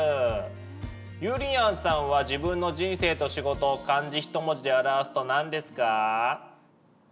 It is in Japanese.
ゆりやんさんは自分の人生と仕事漢字一文字で表すと何ですか？